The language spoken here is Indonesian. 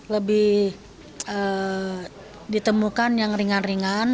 lebih ditemukan yang ringan ringan